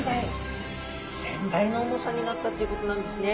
１０００倍の重さになったっていうことなんですね。